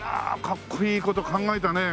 かっこいい事考えたね。